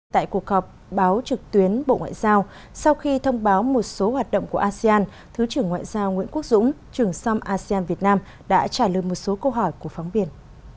tại cuộc họp báo trực tuyến bộ ngoại giao sau khi thông báo một số hoạt động của asean thứ trưởng ngoại giao nguyễn quốc dũng trưởng som asean việt nam đã trả lời một số câu hỏi của phóng viên